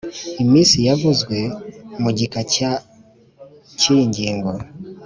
Iminsi yavuzwe mu gika cya cy iyi ngingo